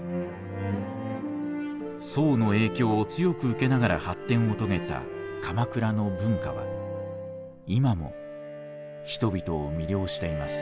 宋の影響を強く受けながら発展を遂げた鎌倉の文化は今も人々を魅了しています。